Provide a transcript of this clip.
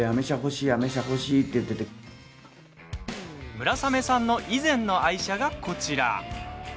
村雨さんの以前の愛車がこちら。